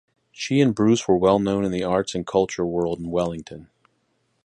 She and Bruce were well known in the arts and culture world in Wellington.